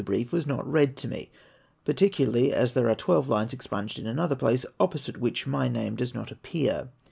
Ijrief was not read to me ; particularly as there are twelve lines expunged in another place, opposite which my name does not appear.